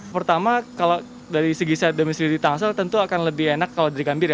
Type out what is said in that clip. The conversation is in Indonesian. pertama dari segi saya demi sendiri di tangsa tentu akan lebih enak kalau digambir